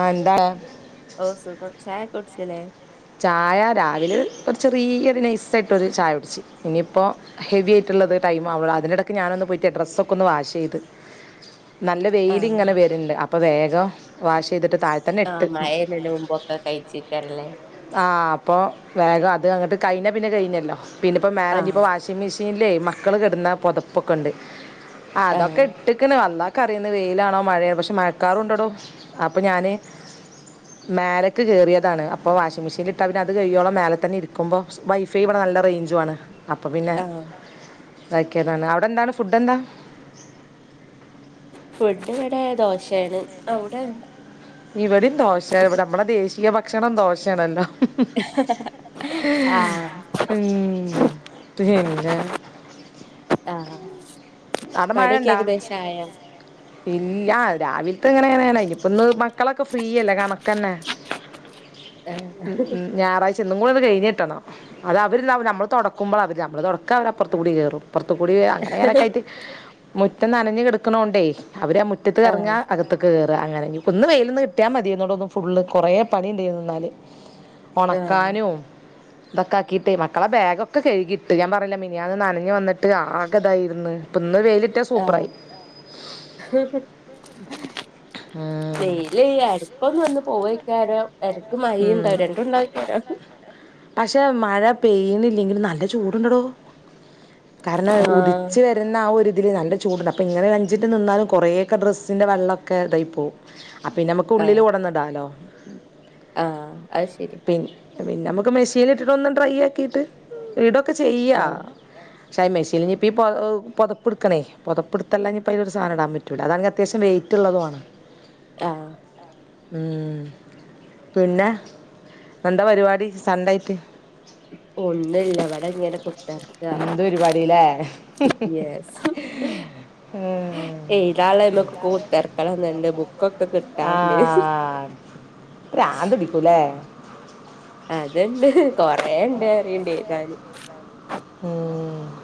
ആ എന്താണ്? ഓ സുഗം. ചായക്കെകുട്ച്ചില്ലേ? ചായ രാവിലെ ഒരു ചെറിയ ഒരു നൈസ ആയിട്ടൊരു ചായ കുടിച്ച്. ഇനിയിപ്പോൾ. ഹെവി ആയിട്ടുള്ളത് ടൈ ആവുണൊ. അതിനിടക്ക് ഞാനൊന്ന് പോയിട്ടെ ഡ്രസ്സ് ഒക്കെ ഒന്ന് വാഷെയ്ത്. [unintelligible] നല്ല വെയിലിങ്ങനെ ആഹ് വെരീണ്ട്. അപ്പോൾ വേഗം വാഷ് ചെയ്തിട്ട് താഴ. ആഹ് മയതേൻടെ മുമ്പൊക്കെ കയിചെക്കാരല്ലേ? ആഹ്, അപ്പ വേഗം അത് അങ്ങട്ട് കഴിഞ്ഞ പിന്നെ കഴിഞ്ഞല്ലോ. പിന്നെ ഇപ്പോ മേലെഞ്ഞ് ആഹ് ഇപ്പോ വാഷ്. മിഷീൻലെ മക്കള്കെട്ന്ന പോത്പ്പൊക്കെഇണ്ട്. അതൊക്കെ ആഹ് ഇട്ട്ക്ക്ണ്‌ ഇന്ക്റിയുന്ന് വെയിലാണോ മഴെന്ന് പക്ഷെ മഴക്കാറുണ്ടടോ അപ്പൊ ഞാന് മേലേക്ക് കേറിയതാണ് അപ്പോ വാഷിംഗ് മെഷീൻ ലിട്ടാ പിന്നെ അത് കഴിയോളം മേലെ തന്നെ ഇരിക്കുമ്പോ വൈഫൈ ഇവിടെ നല്ല റേഞ്ചു ആണ്. അപ്പൊ പിന്നെ ആഹ് അതയ്ക്കാതാണ് അവിടെ എന്താണ് ഫുഡ് എന്താ ഫുഡ് ഇവിടെ ദോശയാണ് അവ്ടെ? ഇവടിം ദോശയാണ് ഇവടെ നമ്മുടെ ദേശീയ ഭക്ഷണം ദോശയാണല്ലോ ആഹ് പിന്നെ ആഹ് അവിടെ മഴ പണിയൊക്കെ ഇണ്ടാ ഏകദേശം ആയോ ഇല്ല രാവില്ത്ത് ഇങ്ങനെ ഇങ്ങനെ. ഞ്ഞിഇപ്പൊ ഇന്ന് മക്കളൊക്കെ ഫ്രീയല്ലേ? കണക്കന്നെ [inaudible] ആഹ് ഹുംഹ് ഞായറാഴ്ച ഇന്നും കൂടി ഒന്ന് കഴിഞ്ഞിട്ടണം അത് അവര് ഇണ്ടാവും നമ്മൾ തുടക്കുമ്പളാ അവര് നമ്മള് തുടക്കാ അവര് അപ്പുറത്ത് കൂടി കേറും അപ്പൊറ്ത്ത് കൂടി അങ്ങനെ ഇങ്ങനെയൊക്കെ ആയിട്ട്. മുറ്റം നനഞ്ഞ് കിടക്കണോണ്ടേയ് അവര് മുറ്റ മുറ്റത്ത്ക്ക് എറങ്ങാ ആഹ് അകത്ത് കേറ് അങ്ങനെ ൻങ്കൊന്ന് ഇന്ന് വെയിൽ ഒന്ന് കിട്ടിയാ മതിയ്ന്നൊടൊന്ന് ഫുള്ള് കുറേ പണിണ്ടായിന് ഇന്നാല് ആഹ് ഒണക്കാനും. ഇതൊക്കെ ആക്കിയിട്ടേ മക്കളെ ബാഗൊക്കെ കഴുകിയിട്ട് ഞാൻ പറഞ്ഞില്ലെ മിനിയാന്ന് നനഞ്ഞ് വന്നിട്ട് ആർകെ ഇതായിര്ന്ന് ഇപ്പൊ ഇന്ന് വെയില് കിട്ടിയാ ആ [unintelligible] ഉം. ല്യയ് എടക്കൊന്ന് വന്ന് പോവയ്ക്കാരം. എടക്ക് ഉം. മയിണ്ടാവും രണ്ടും ഉണ്ടായ്ക്കാരം പക്ഷെ മഴ പെയ്യുണ്ഇല്ലെങ്കിലും നല്ല ചൂട്ണ്ടടോ. കാരണം ആഹ് ഉദിച്ചു വര് ന്നാആ ഒരു ഇതില് നല്ല ചൂടുണ്ട്. അപ്പൊ ഇങ്ങനെ ഒര് അഞ്ചിൻറ്റ് നിന്നാലും കുറേ ഒക്കെ ഡ്രസ്സിന്റെ വള്ള ഒക്കെ ഇതായി പോവും. അപ്പ പിന്നെ നമുക്ക് ഉള്ളില് കൊടന്നിടാലോ ആ അത് ശെരി പിന്നെ പിന്നെ നമുക്ക് മെഷീൻ ഇട്ടിട്ട് ഒന്ന് ഡ്രൈ ആക്കിട്ട് ഇടൊക്കെ ചെയ്യാ ആഹ് ച്ചായി മിഷീൽഞ്ഞി ഇപ്പൊ ഈ പൊതപ്പ് ഇട്ക്കണേ പൊതപ്പെടുത്തല്ല ഇഞ്ഞിപ്പോ അതിലൊര് സാധനം ഇടാൻ പറ്റൂല്ല അതാണങ്കി അത്യാശ്യം വെയി റ്റുള്ളതുമാണ് ആഹ ഉം പിന്നെ എന്താ പരിപാടി സൺ‌ഡേ ആയിറ്റ് ഒന്നും ഇല്ല വ്ടെ ഇങ്ങനെ കുത്തർക്കാ എന്ത് പരിപാടിയില്ലേ യെസ് ഹേഹ് എഴുതാൻള്ളത് മ്മക്ക് കൂത്തറ്ക്കല് വന്ന്ണ്ട് ബുക്കൊക്കെ കിട്ടാണ്ട്. പ്രാന്ത് പിടിക്കും ലെ അത്ണ്ട് കൊറേണ്ട് അറിണ്ട് എഴുതാന്. ഉഹും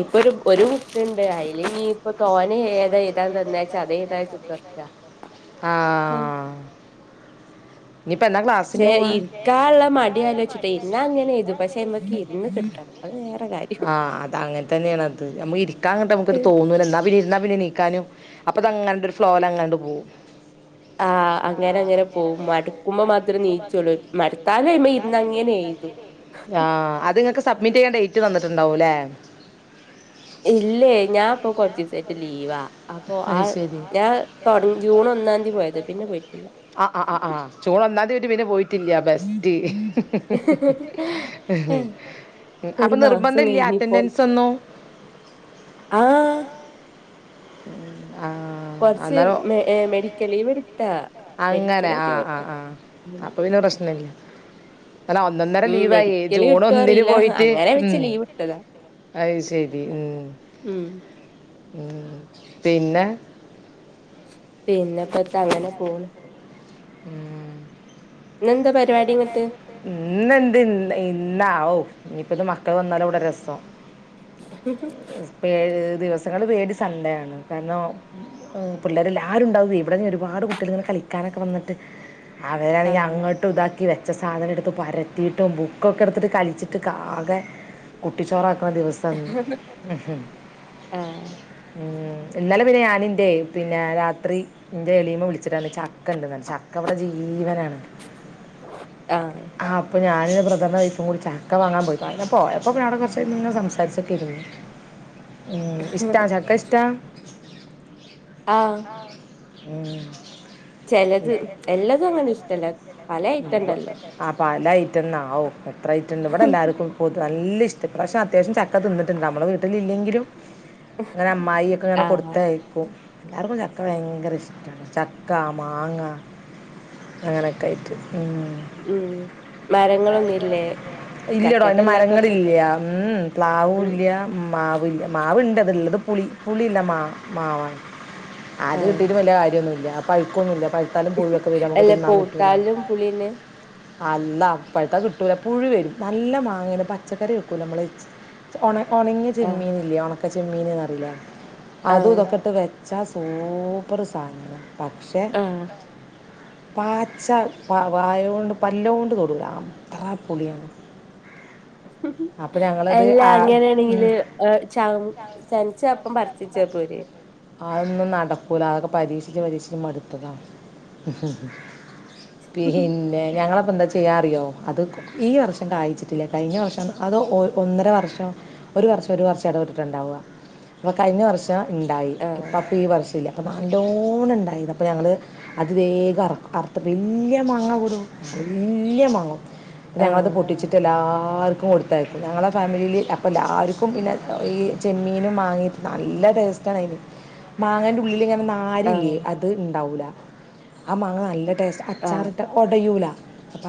ഇപ്പൊ ഒരു ഒരു ബുക്ക്ണ്ട് അതില് ഇനിയിപ്പോ തോനെ ഏതാ എഴുതാൻ തന്ന അത് എഴുതാലും [unintelligible] ആ ഉം ഇനി ഇപ്പൊ എന്നാ ക്ലാസ് പക്ഷെ സിനോവാ? ഇരിക്കാള്ള മടി ഇര്കാന്ള്ള ആലോചിച്ചിട്ടെ മടി ഇരുന്നാ ആണ്ന്ന്. അങ്ങനെ എഴുതും പക്ഷെ ഇരുന്നാങ്ങനെ എഴുതും അയ്മക്ക് പക്ഷെ ഇരുന്ന് അയ്മക്ക് കിട്ടണം ഒരുങ്ങി അത് വേറെ കാര്യം കിട്ടണം ആഹ് അത് അങ്ങനെ തന്നെയാണ് അത് നമ്മള് ഇരിക്കാങ്ങട്ട് നമുക്ക് തോന്നൂല ഇന്നാ പിന്നെ ഇരുന്നാ പിന്നെ നീ ക്കാനും അപ്പൊ അത് അങ്ങനെ ഒരു ഫ്ലോല് അങ്ങണ്ട് പോകും ആ അങ്ങനെ അങ്ങനെ പോകും മടി [unintelligible] അയ്മെ ഇരുന്ന് അങ്ങനെ എഴുതും ആ അത് ഇക്ക്‌ സബ്മിറ്റ് ചെയ്യാൻ ഡേറ്റ് തന്നിട്ടുണ്ടാവും ലേ ഇല്ലേ ഞാൻ ഇപ്പോ കൊറ്ച്ചിസായിട്ട് ലീവാ അപ്പൊ ആ അത് ശരി ഞാൻ തൊട്ങ്ങി ജൂൺ ഒന്നാംതി പോയത് പിന്നെ പോയിട്ടില്ല. അ അ അ ആഹ് ജൂൺ ഒന്നാം തീയതി പോയിട്ട് പിന്നെ പോയിട്ടില്ല്യ ബെസ്റ്റ് അപ്പ ഒരു മാസം നിർബന്ധില്ലൃ കഴിഞ്ഞിപ്പോ അറ്റൻഡൻസൊന്നും ആഹ് ഉം ആഹ് കൊർച്ച് എ മെഡിക്കൽ ലീവെട്ത്താ അങ്ങനെ ആഹ് ആഹ് ആഹ് അപ്പൊ പിന്നെ പ്രശ്നില്ല അല്ല ഒന്നൊന്നര ഉം ലീവായേ മെഡിക്കല് ജൂൺ കിട്ടോ ഒന്നിന് അറിയില്ല പോയിട്ട് അങ്ങനെ വെച്ച് ഉം ലീവ് എടുത്തതാ അത് ശരി ഉം ഉം ഉം പിന്നെ പിന്നെപ്പെത്താ അങ്ങന പോണ് ഉം ഇന്നെന്താ പ ഇന്നെന്ത് ഇന്ന് ഇന്നാ ഓ ഇനിപ്പിത്ത മക്കള് വന്നാലവിട രസം. ഹും ഹും പേ ദിവസങ്ങളില് പേടി സൺഡേയാണ് കാരണോം പിള്ളേരെല്ലാരുണ്ടാവേ ഇവിടെന്നൊരുപാട് കുട്ടികളിങ്ങനെ കളിക്കാനൊക്ക വന്നെട്ട് അവരാണെങ്കി ആഹ് അങ്ങോട്ടും ഇതാക്ക് വെച്ച സാധനം എടുത്ത് പരത്തിയിട്ടും ബുക്കൊക്കെ എടുത്തിട്ട് കളിച്ചിട്ട് ക്കാകേ കുട്ടിച്ചോറാക്കണ ദിവസാണ് ഇന്ന് ആഹ് ഉം ഇന്നലെ പിന്നെ ഞാനിന്റെ പിന്നെ രാത്രി എന്റെ എളീമ വിളിച്ചിട്ട് പറഞ്ഞ് ചക്കെണ്ടെന്ന് പറഞ്ഞ് ചക്കവിട ജീവനാണ്. ആഹ് ആഹ് ഞാനും ബ്രദറിൻ്റെ വൈഫും കൂടി ചക്ക വാങ്ങാൻ പോയി പോയപ്പോ പിന്നെ അവിടെ കൊർച്ചിര്ന്ന് സംസരിച്ചിട്ടെക്കെയിരുന്ന്. ഉം ഇഷ്ടാ ചക്ക ഇഷ്ടാ ആഹ് ഉം ചെലത് എല്ലാതും അങ്ങന ഇഷ്ടല്ലാ ഫുഡാ ആ പല ഐറ്റെന്നാ ഓ എത്രൈറ്റണ്ട് ഇവട എല്ലാർക്കും പൊതു നല്ല ഇഷ്ടം ഇപ്രാവശ്യം അത്യാവശ്യം ചക്ക തിന്നിട്ടെണ്ട് നമ്മട വീട്ടിലില്ലെങ്കിലും ഇങ്ങന അമ്മായിയെക്കെ ഇങ്ങന ആഹ് കൊടുത്തയ്ക്കും. എല്ലാർക്കും ചക്ക ഭയങ്കര ഇഷ്‌ടാണ് ചക്ക മാങ്ങ അങ്ങനെ ഒക്കെ ആയിട്ട് ഉം ഉം മരങ്ങളൊന്നുല്ലേ ഇല്ല്യടോ ചക്കന്റെ അതിന്റെ എല്ലാക്കൊക്കെ മരങ്ങളില്ല്യ ഉം പ്ലാവുല്ല്യ. മാവില്ല മാവിണ്ട് അതിള്ളത് പുളി പുളിള്ള മാ മാവാണ്. അത് ആഹ് കിട്ടിട്ട് വല്യ കാര്യോന്നുല്ല പൈക്കൊന്നില്ല പൈക്ക് പഴുത്താലും പുഴുവൊക്കെ വരും ഞമ്മക്ക് അല്ല തിന്നാൻ പറ്റൂല്ല. പൗത്താലും പുളിന്നെ അല്ലാഹ് പഴുത്ത കിട്ടൂല പുഴു വരും നല്ല മാങ്ങേണ് പച്ചക്കറി വെക്കൂലേ നമ്മള്. ഒണ ഒണങ്ങിയ ചെമ്മീനില്ലേ ഒണക്ക ചെമ്മീനിന്നറിയില്ലേ അതു ഇതൊക്കെട്ട് വെച്ച് ച്ചാ സൂപ്പറ് സാനം പക്ഷെ ആഹ് പാച്ച പ വായൊണ്ട് പല്ലോണ്ട് തൊടൂല ആ പുളിയാണ് അപ്പ് അല്ല അങ്ങനെണെങ്കില് ച ചെനച്ചപ്പം പറിച്ച് വെച്ച പോരെ അതൊന്നും നടക്കൂല അതൊക്ക പരീക്ഷിച്ച് പരീക്ഷിച്ച് മടുത്തതാണ്. പിന്നെ ഞങ്ങളപ്പോന്താ ചെയ്യാ അറിയോ അത് കോ ഈ വർഷം കായിച്ചിട്ടില്ല കയിഞ്ഞ വർഷം അത് ഒ ഒന്നര വർഷം ഒരു വർഷം ഒരു വർഷടവിട്ടിട്ട് ഇണ്ടാവുക അപ്പൊ കഴിഞ്ഞ വർഷം ഇണ്ടായി ഇപ്പോ ആഹ് അപ്പൊഈ വർഷം. ഇല്ല അവ നല്ലോണെണ്ടായിന് അപ്പ ഞങ്ങള്. അത് വേഗർത് വെല്ല്യാ മാങ്ങാ പോലും വെല്ല്യാ മാങ്ങ ഞങ്ങളത് ആഹ് പൊട്ടിച്ച്. എല്ലാർക്കും കൊടുത്തയക്കും ഞങ്ങളെ ഫാമിലിയിൽ അപ്പൊ ല്ലാർക്കും പിന്നെ ഈ ചെമ്മീനും മാ ങ്ങി നല്ല ടേസ്റ്റാണ് അയിന് മാങ്ങന്റെ ഉള്ളില് ങ്ങനെ ന - ആരില്ലേ ആഹ് അത് ണ്ടാവൂല ആ മാങ്ങ നല്ല ടേസ്റ്റ് ആഹ് അച്ചാറിട്ട ഒടയൂല.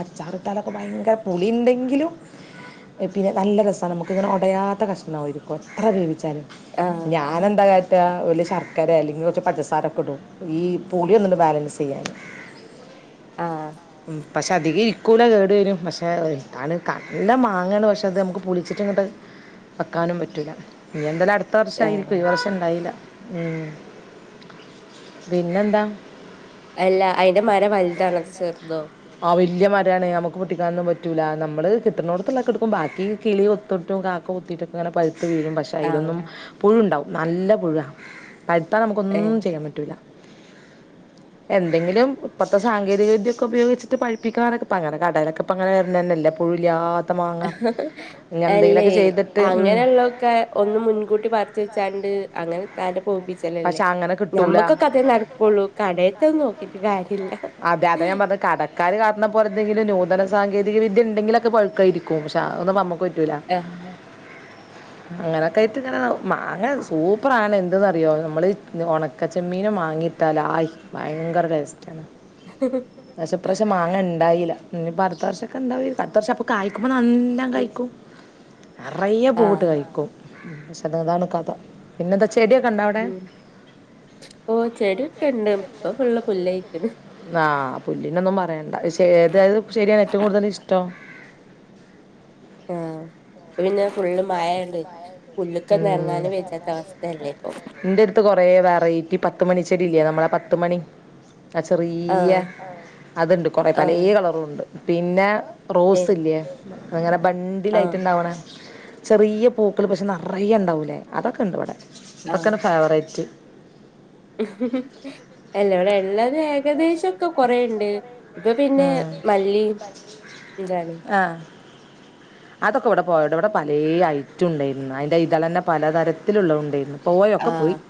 അച്ചാറ്ട്ടാലൊക്കെ ഭയങ്കര പുളി ണ്ടെങ്കിലും. പിന്നെ നല്ല രസാണ് നമുക്കിങ്ങനെ ഉടയാത്ത കഷ്ണ ആയിരിക്കും എത്ര വേവിച്ചാലും ആഹ് ഞാനെന്താ കാ ഓല് ശർക്കരെ അല്ലെങ്കി കുറച്ച് പഞ്ചസാരൊക്കെ ഇടും ഈ പു ളിയോന്ന് ബാലൻസ് ചെയ്യാന് ആ പശേ അതിക ഇരി കുല കേട് വരും പക്ഷേ നല്ല മാങ്ങേണ് പക്ഷെ അത് നമുക്ക് പുളിച്ചിട്ടങ്ങട്ട് വെക്കാനും പറ്റൂല്ല നീ എന്തെലം അടുത്ത് ത്ത് വർഷായിരിക്കും ആഹ് ഈ വർഷം ണ്ടായില്ല ഉം പിന്നെന്താ അല്ല അയിന്റെ മര വലുതാണ് ചെറ് തോ ആ വല്യ മരാണ് നമുക്ക് പൊട്ടിക്കാനൊന്നും പറ്റൂല നമ്മള് കിട്ടണോടത്തുള്ളൊെക്കെ ഇട്ക്കും ബാക്കി കിളി കൊ - തൊട്ടും കാക്ക കൊ ത്തിയിട്ടൊക്കെങ്ങന പഴുത്തു വീഴുംപക്ഷെ ആഹ് അയ്ലൊന്നും പുഴുണ്ടാവും നല്ല പുഴുവാ പഴുത്താ ഏഹ് നമുക്കൊന്നും ചെയ്യാൻ പറ്റൂല്ല. എന്തെങ്കിലും ഇപ്പത്തെ സാങ്കേതിക വിദ്യൊക്കെ ഉപയോഗിച്ച് ഇത് പഴിപ്പിക്കാനൊക്കെ അയ്നെ കടലൊക്കെ ങ്ങനെ വരുന്നതന്നല്ല പുഴുല്ലാതെ ഹ് ഹ് അല്ലേ ചെയ്തിട്ട് ഉം അങ്ങനെള്ള ക്കെ ഒന്ന് മുൻകൂട്ടി പറച്ച് വെച്ചാണ്ട് അങ്ങനെ പോവ്പി ല്ല ല്ലേ പക്ഷെ അങ്ങനെ കിട്ടൂല ഞമ്മക്കൊക്കെ അതെ നടക്കുള്ളൂ കടേത്തൊന്നും നോക്കീട്ട് കാര്യല്ല ക്കാര് കാണ പോലെതെങ്കിലും നൂതന സാങ്കേതിക വിദ്യ ഉണ്ടെങ്കിലൊക്കെപ ഴുക്കായിരിക്കും പഷേ അതന്നുംമ്മക്ക് പറ്റൂല്ല. ഏ അങ്ങനെക്കായിട്ട് ഇങ്ങനെ മാങ്ങസൂപ്പറാണ് എന്ത്‌ന്ന് അറിയോ മ്മള് ഉണക്കച്ചെമ്മീനും മാങ്ങിട്ടാലായ് ഭയങ്കര ടേസ്റ്റ് ആണ് ഹ് ഹ് ഇപ്രാശം മാങ്ങ ണ്ടായില്ല ഇനിപ്പ അടുത്ത വർഷംക്കെണ്ടാവ അടുത്ത വർഷം കായിക്കുമ്പോ നല്ലാം കായി ക്കും നിറയെ പൂവ് ആഹ് ട്ട്കായിക്കും. [unintelligible] അതാണ് കഥ പിന്നെന്താ ചെടിയൊക്കെണ്ട അവിടെ. ഉം ഓ ചെടിക്കെണ്ട് ഇപ്പൊ ഫുള്ള് പുല്ലയ് ക്ക്ണ്. ആഹ് പുല്ലിനൊന്നും പറയണ്ട പഷേ ഏതാത് ശരിയാണ് ഏറ്റവും കൂടുതൽ ഇഷ്ടം. ആഹ് ഇപ്പൊ പിന്നെ ഫുള്ള് മയെണ്ട്. ഉം അവസ്ഥയല്ലേ ഇപ്പൊ ഇന്റെട് ത്ത് കുറേ വെറൈറ്റി പത്ത് മണിച്ചെടി ഇല്ലേ നമ്മളെ പത്ത് മണി ആഹ് ചെറിയ ആഹ് അതുണ്ട് കൊറെ പല ആഹ് കളറുണ്ട് പിന്നെ ഏ റോസ് ഇല്ലേ അങ്ങനെ ബണ്ടിലായിട്ട് ആഹ് ണ്ടാവണ ചെറിയ പൂക്കള് പക്ഷെ ന - റയെ ണ്ടാവൂലേ അതൊക്കെ ഉണ്ട് ഇവിടെ ഇതൊക്കെയാ ഫേവറേറ്റ് ഹ് ഹ് ഹ് ഇലോ ള്ളത് ഏകദേശ ഒക്കെ കൊറെണ്ട് ഇപ്പൊ പിന്നെ ഉം മല്ലിം ന്താണ് ആഹ് [inaudible] അതൊക്കെ ഇവിടെ പോയടോ. ഇവിടെ പലേ ഐറ്റണ്ടായിരുന്നു. അതിൻ്റെ ഇതളെന്നെ പലതരത്തിലുള്ളതുണ്ടായിരുന്നു പോയി ഒക്കെ പോയി. ആഹ്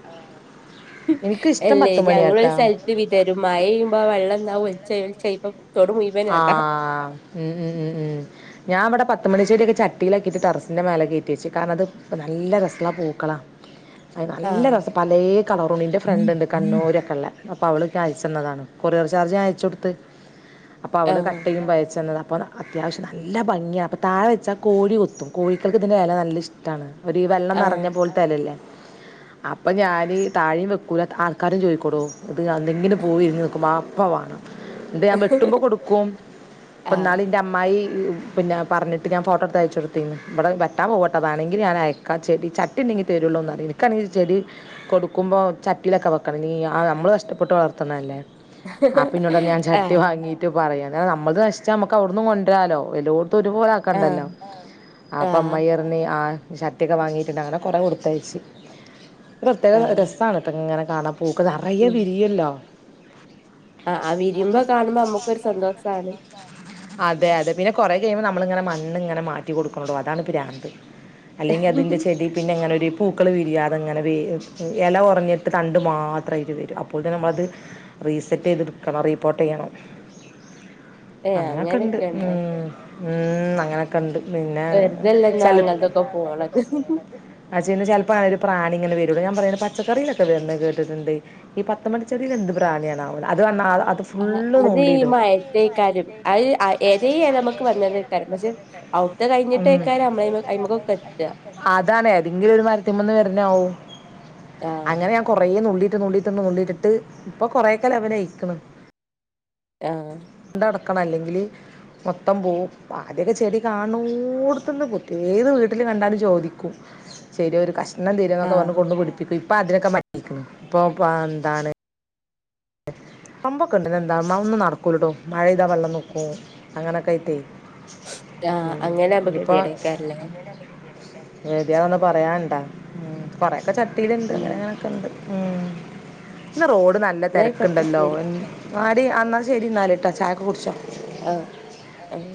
എനിക്കിഷ്ടം പത്തുമണിയാട്ടോ ഇത് വിതരും മഴയ്യുമ്പോ ആ വെള്ളം ന്നാ ഒലിച്ച ഒലിച്ച ഇപ്പ തടു മുഴവനും അതാ ആഹ് ഉം ഉം ഉം ഞാൻവിടെ പത്ത് മണിച്ചെടിയൊക്കെ ചട്ടിയിലാക്കിയിട്ട് ടറസിന്റെമേലെ കയറ്റി വെച്ച് കാരണം അത് നല്ല രസല്ല പൂക്കളാ [inaudible] അത് നല്ല ആഹ് രസം പലേ കളറുണ്ട് ൻ്റെ ഫ്രണ്ട്ണ്ട് കണ്ണൂരൊക്കെള്ള അപ്പൊ അവള് ച്ച് അയച്ചന്നതാണ് കൊറിയർ ചാർജ് അയച്ചൊടുത്ത് അപ്പോ അവള് ആഹ് കട്ട്യ്യും മ്പോ അയച്ചന്ന അപ്പ അത്യാവശ്യം നല്ല ഭംഗിയാ അപ്പോൾ താഴെ വെച്ചാൽ കോഴി കൊത്തും കോഴികൾക്ക് ഇതിൻ്റെ ഇല നല്ല ഇഷ്ടണ്. ഒരു വെള്ളം നിറഞ്ഞ പോലത്തെ ഇല ഇല്ലേ? അപ്പം ഞാന് താഴിം വെക്കൂല്ല ആൾക്കാരും ചോദിക്കോടോ ഇത് എന്തെങ്കിലുംപൂവ് വിരിഞ്ഞു നിൽക്കുനപോ അപ്പം വേണം. ഇത് ഞാൻ വെട്ടുമ്പോൾ കൊടുക്കും. ആഹ് ഇന്നാള് എൻ്റെ അമ്മായി പിന്നെ പറഞ്ഞിട്ട് ഞാൻ ഫോട്ടോ എടുത്ത് അയച്ച് കൊടുത്തിന്. ഇവിടെ വെട്ടാൻ പോവാട്ടോ വണെങ്കിൽ ഞാൻ അയ എനിക്ക് ആ ചെടി ചട്ടി ഉണ്ടെങ്കി തരുള്ളൂന്നറിയുള്ളു എനിക്കാണെങ്കിൽ ആ ചെടി കൊടുക്കുമ്പോ ചട്ടിയിലൊക്കെ വെക്കണം നമ്മള് കഷ്ടപ്പെട്ട് വളർത്തണ അല്ലേ ആപം ഇന്നോട്ട് പറഞ്ഞി ഞാൻ ആഹ് ആഹ് പറയാ നമ്മളെ നശിച്ച നമുക്ക് അവിടുന്ന് കൊണ്ടുവരാലോ എല്ലാടുത്തും ഒരുപോലെ ആഹ് കണ്ടല്ലോ അപ്പം ആഹ് അമ്മായി പറഞ്ഞ് ആഹ് ചട്ടിയൊക്കെ വാങ്ങിയിട്ടുണ്ട് അങ്ങനെ കുറേ കൊടുത്തയച്ചു ഇത് പ്രത്യേക ആഹ് രസമാണ് ഇത് ഇങ്ങനെ കാണാൻ പൂക്കള് നറയെ വിരിയുമല്ലോ? ആഹ് ആ വിരിയുമ്പോൾ കാണുമ്പോൾ നമ്മുക്കൊരു സന്തോഷമാണ് അതെ അതെ പിന്നെ കൊറെ കഴിയുമ്പോൾ നമ്മളിങ്ങനെ മണ്ണ് ഇങ്ങനെ മാറ്റി കൊടുക്കണോടോ. അതാണ് പ്രാന്ത്. അല്ലെങ്കിൽ അതിന്റെ ചെടി പിന്നെ അങ്ങനൊരു പൂക്കൾ വിരിയാതെങ്ങനെ വേ ഇല കുറഞ്ഞിട്ട് തണ്ട് മാത്രം ആയിട്ട് വരും. അപ്പോൾ തിന്ന് നമ്മളത് റീസെറ്റ് ചെയ്തെടുക്കണം റീപ്പോർട്ട് ചെയ്യണം ഏ അങ്ങനൊക്കെണ്ട് അങ്ങനെയൊക്കെ ഉണ്ടോ ഉം ഉം അങ്ങനെ. കണ്ട് പിന്നെ വെറുതെല്ലന്നാ ചിലപ്പോ അങ്ങനത്തൊക്കെ പോണത് ചിലപ്പോ അങ്ങന ഒരു പ്രാണിങ്ങള് വരൂംഞാൻ പറയാണ് പച്ചക്കറിനൊക്കെ വരുന്ന കേട്ടിട്ടുണ്ട് ഈ പത്ത് മണി ചെടിയിൽ എന്ത് പ്രാണിയാണോ ആവോ അത് വന്ന ആത് ആഹ്ഹ് അത് [unintelligible] ഈ മഴത്തേക്കാരും അത് ഏതാല നമക്ക് വന്നതേക്കാലും പക്ഷെഔ ഉം അതാണ് ഏതെങ്കിലും ഒരു മരത്തിമ്മന്ന് വരുന്ന ആവും. ആഹ് അങ്ങനെ ഞാൻ കുറെ നുള്ളിയിട്ട് നുള്ളീട്ട് നുള്ളിട്ടിട്ട് ഇപ്പൊ കൊറെ ഒക്കെ ലെവലായിരിക്ക്ണ്. ആഹ ണ്ട നടക്കണം അല്ലെങ്കില് മൊത്തം പോവും ആദ്യൊക്കെ ചെടി കാണുന്നിടത്ത് നിന്ന് പൊത്തും ഏത് വീട്ടില് കണ്ടാലും ചോദിക്കും. ചെറിയ ഒരു കഷ്ണം തരോ എന്നൊക്കെ പറഞ്ഞു ആഹ് കൊണ്ടു കൊടുപ്പിക്കും ഇപ്പൊ അതിനൊക്കെ മടിആയിരിക്ക്ന്ണ്. ഇപ്പൊ എന്താണ്. ആമ്പ്ക്കെ ഉണ്ട് എന്താമ്മ ഒന്നും നടക്കൂല ടോ മഴ പെയ്താൽ വെള്ളം നിക്കും. അങ്ങനെ ഒക്കെ ആയിട്ടെ ആഹ് ഉം അങ്ങനെ ആവുമ്പോ ഇപ്പൊ ഗതികേടേക്കാരല്ലേ [unintelligible] ണന്ന് പറയാനണ്ടാ ഉം കുറെയെക്കെ ചട്ടിയിലുണ്ട് ഉം ഇങ്ങനെ. ഉം ഇന്ന് റോഡ് ന ന ആയിക്കോട്ടെ. ണ്ടല്ലോ ശരി ആടി എന്നാൽ ശരി എന്നാല് ഇട്ടാ ചായക്ക് കുടിച്ചോ ആഹ് ആഹ്